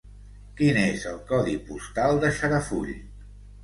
Quin és el codi postal de Xarafull?